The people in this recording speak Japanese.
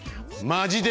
マジで？